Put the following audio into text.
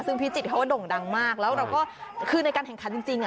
ซึ่งพิจิตรเขาก็ด่งดังมากแล้วเราก็คือในการแข่งขันจริงอ่ะ